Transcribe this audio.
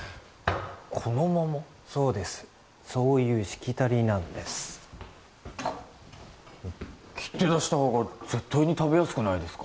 そうですそういうしきたりなんです切って出したほうが絶対に食べやすくないですか？